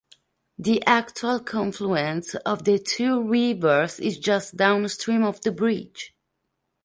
The actual confluence of the two rivers is just downstream of the bridge.